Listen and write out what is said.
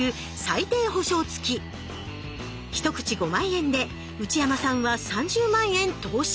１口５万円で内山さんは３０万円投資。